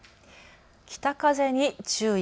北風に注意。